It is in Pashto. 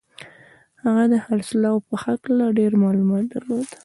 هغه د خرڅلاو په هکله ډېر معلومات درلودل